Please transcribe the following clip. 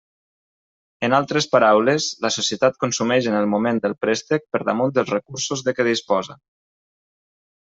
En altres paraules, la societat consumeix en el moment del préstec per damunt dels recursos de què disposa.